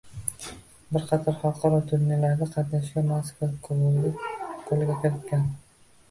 Bir qator xalqaro turnirlarda qatnashgan, Moskva kubogini qo‘lga kiritgan